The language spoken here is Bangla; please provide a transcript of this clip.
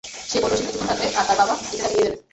সে বলল সে কিছুক্ষণ থাকবে আর তার বাবা এসে তাকে নিয়ে যাবে।